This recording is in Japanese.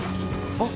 ・あっ！！